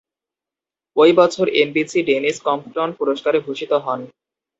ঐ বছর NBC Dennis Compton পুরস্কারে ভূষিত হন।